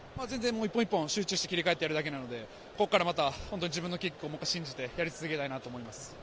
１本１本集中してやるだけなので、ここから自分のキックを信じてやり続けたいなと思います。